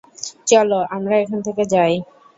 চলো আমরা এখান থেকে যাই।